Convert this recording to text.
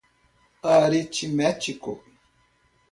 aritmético